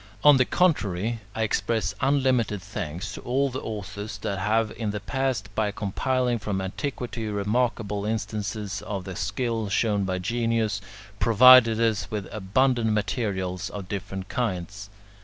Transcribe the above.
On the contrary, I express unlimited thanks to all the authors that have in the past, by compiling from antiquity remarkable instances of the skill shown by genius, provided us with abundant materials of different kinds.